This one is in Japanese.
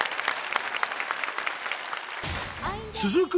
続く